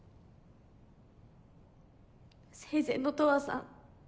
生前の十和さん